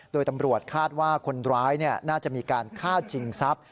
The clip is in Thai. โดยตำรวจคาดว่าคนร้ายน่าจะมีการฆ่าชิงทรัพย์